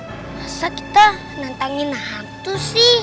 masa kita nantangin hantu sih